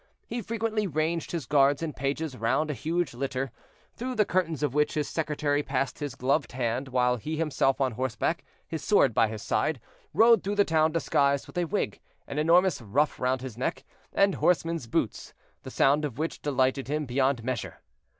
He frequently ranged his guards and pages round a huge litter, through the curtains of which his secretary passed his gloved hand, while he himself on horseback, his sword by his side, rode through the town disguised with a wig, an enormous ruff round his neck, and horseman's boots, the sound of which delighted him beyond measure.